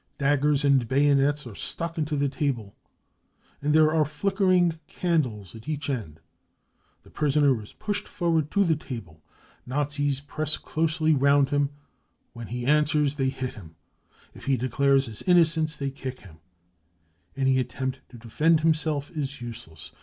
Daggers and bayonets are stuck into the table, and there are flickering candles at each end. The prisoner is pushed forward to the table ; Nazis press closely round him. When he answers, they hit him ; if he declares they kick*him. Any attempt to defend himself is useless.